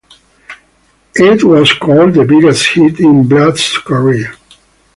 It was called the biggest hit in Vlad's career.